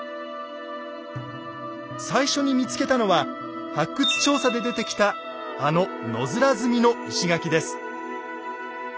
最初に見つけたのは発掘調査で出てきたあの野面積みの石垣です。